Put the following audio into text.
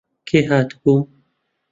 کێ هاتبوو؟